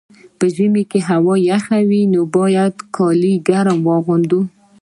په ژمي کي هوا یخه وي، نو باید ګرم کالي واغوندو.